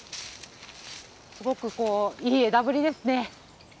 すごくこういい枝ぶりですね。